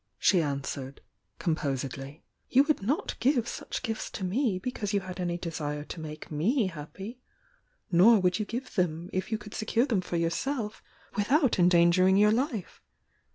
she answered, composedly. "You would not give such gifts to me because you had any desire to make me happy— nor would you give them if you could secure them for yourself THE YOUNG DIANA 285 without endangering your life!